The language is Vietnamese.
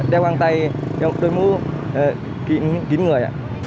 đeo quang tay đôi mũ kín người ạ